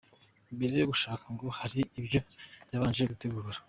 Mbere yo gushaka ngo hari ibyo yabanje gutegura.